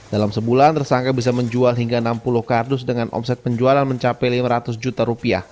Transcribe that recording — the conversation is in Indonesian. dalam sebulan tersangka bisa menjual hingga enam puluh kardus dengan omset penjualan mencapai lima ratus juta rupiah